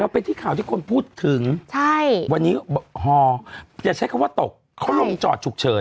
ไปที่ข่าวที่คนพูดถึงวันนี้ฮออย่าใช้คำว่าตกเขาลงจอดฉุกเฉิน